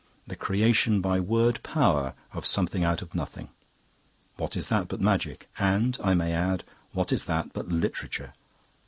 The creation by word power of something out of nothing what is that but magic? And, I may add, what is that but literature?